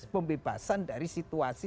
pembebasan dari situasi